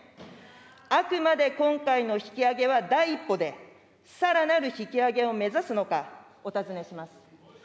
あくまで今回の引き上げは第一歩で、さらなる引き上げを目指すのか、お尋ねします。